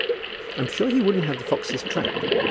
"I'm sure he wouldn't have the foxes trapped."